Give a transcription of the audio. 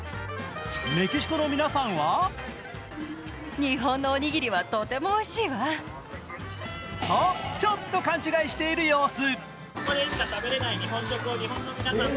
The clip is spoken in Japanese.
メキシコの皆さんはとちょっと勘違いしている様子。